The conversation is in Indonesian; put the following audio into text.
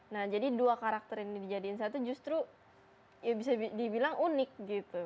nah jadi dua karakter ini dijadiin satu justru ya bisa dibilang unik gitu